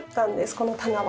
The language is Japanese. この棚は。